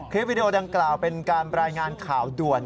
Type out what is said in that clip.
วิดีโอดังกล่าวเป็นการรายงานข่าวด่วน